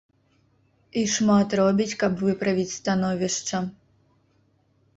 І шмат робіць, каб выправіць становішча.